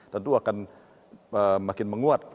tentu akan makin menguat